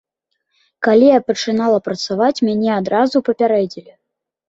Калі я пачынала працаваць, мяне адразу папярэдзілі.